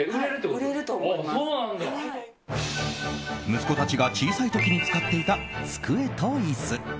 息子たちが小さい時に使っていた机と椅子。